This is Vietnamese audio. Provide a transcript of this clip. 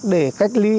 để cách ly